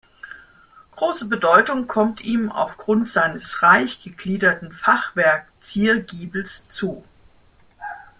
Große Bedeutung kommt ihm aufgrund seines reich gegliederten Fachwerk-Ziergiebels zu.